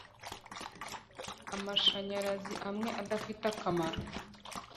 Amashanyarazi amwe adafite akamaro